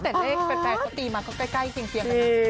แต่แม่เขาตีมาก็ใกล้เพียงค่ะพี่